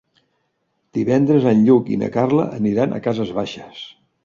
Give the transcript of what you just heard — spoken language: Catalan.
Divendres en Lluc i na Carla aniran a Cases Baixes.